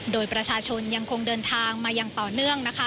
โดยประชาชนยังคงเดินทางมาอย่างต่อเนื่องนะคะ